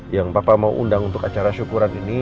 yang bapak mau undang untuk acara syukuran ini